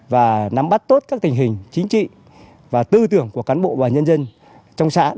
và nắm bắt tốt các tình hình chính trị và tư tưởng của cán bộ và nhân dân trong xã đặc biệt nữa